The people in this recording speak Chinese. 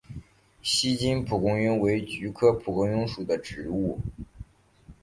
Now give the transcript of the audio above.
锡金蒲公英为菊科蒲公英属的植物。